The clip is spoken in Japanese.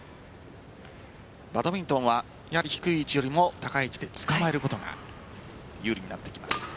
バドミントンは低い位置よりも高い位置で捕まえることが有利になってきます。